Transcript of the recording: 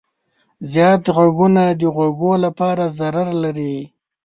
زیات غږونه د غوږو لپاره ضرر لري.